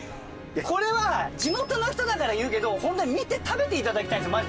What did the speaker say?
これは地元の人だから言うけどホントに見て食べて頂きたいんですよ